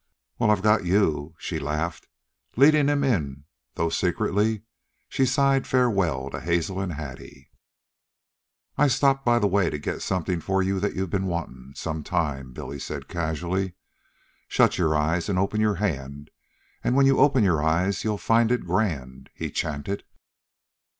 "Well, I've got YOU," she laughed, leading him in, though secretly she sighed farewell to Hazel and Hattie. "I stopped by the way to get something for you that you've been wantin' some time," Billy said casually. "Shut your eyes an' open your hand; an' when you open your eyes you'll find it grand," he chanted.